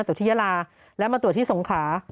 ตรวจที่ยาลาแล้วมาตรวจที่สงขา